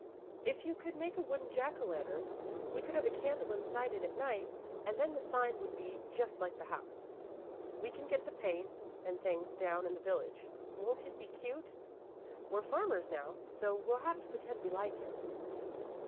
If you could make a wooden Jack o' Lantern, we could have a candle inside it at night, and then the sign would be just like the house. We can get the paint and things down in the village. Won't it be cute? We're farmers, now, so we'll have to pretend we like it."